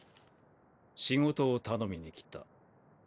仕事を頼みに来た。